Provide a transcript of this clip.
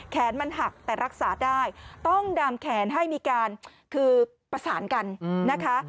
แขนมันหักแต่รักษาได้ต้องดามแขนให้มีการคือประสานกันนะคะ